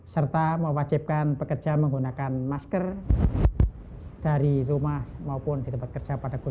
serta mewajibkan pekerja menggunakan masker